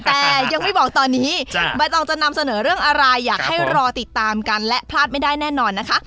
แต่ยังไม่บอกตอนนี้ใบตองจะนำเสนอเรื่องอะไรอยากให้รอติดตามกันและพลาดไม่ได้แน่นอนนะคะ